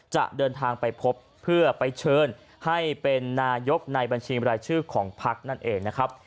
จะเดินทางไปพบเพื่อไปเชิญให้เป็นนายกในบัญชีบรายชื่อของพักนั่นเองนะครับ